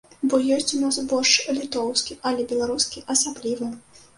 Бо ёсць ў нас боршч літоўскі, але беларускі асаблівы!